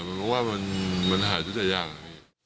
ใช่แต่มันหายชุดจะยาก